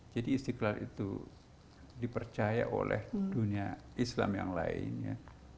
jadi istiqlal itu dipercaya oleh dunia islam yang lain ya